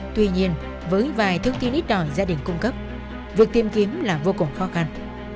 tuy nhiên với vài thông tin ít đòi gia đình cung cấp việc tìm kiếm là vô cùng khó khăn